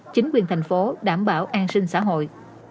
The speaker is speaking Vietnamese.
chính quyền thành phố đảm bảo an sinh xã hội